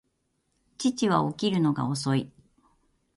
父は起きるのが遅い